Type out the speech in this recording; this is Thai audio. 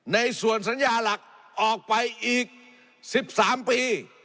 ในส่วนสัญญาหลักออกไปอีก๑๓ปี